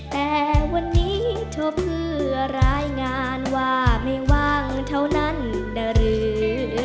แต่วันนี้โทรเพื่อรายงานว่าไม่ว่างเท่านั้นนะหรือ